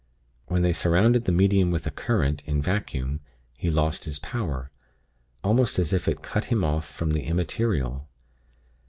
When they surrounded the Medium with a current, in vacuum, he lost his power almost as if it cut him off from the Immaterial.